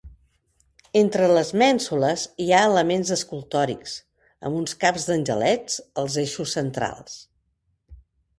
Entre les mènsules hi ha elements escultòrics, amb uns caps d'angelets als eixos centrals.